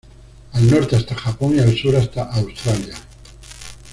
Al norte hasta Japón, y al sur hasta Australia.